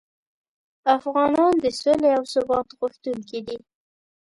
افغانان د سولې او ثبات غوښتونکي دي.